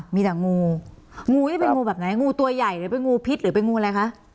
มีแต่งูงูงูนี่เป็นงูแบบไหนงูตัวใหญ่หรือเป็นงูพิษหรือเป็นงูอะไรคะ